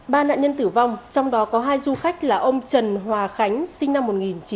ba nạn nhân tử vong trong đó có hai du khách là ông trần hòa khánh sinh năm một nghìn chín trăm tám mươi